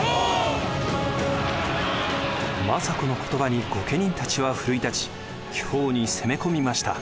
政子の言葉に御家人たちは奮い立ち京に攻め込みました。